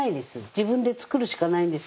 自分でつくるしかないんです。